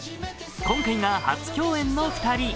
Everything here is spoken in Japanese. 今回が初共演の２人。